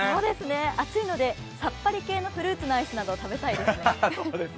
熱いのでさっぱり系のフルーツのアイスなど食べたいです。